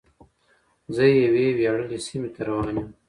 زه یوې ویاړلې سیمې ته روان یم.